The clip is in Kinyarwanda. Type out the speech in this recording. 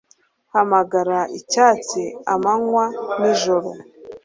hamagara icyatsi amanywa n'ijoro